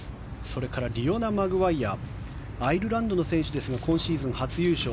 それからリオナ・マグワイヤはアイルランドの選手ですが今シーズン初優勝。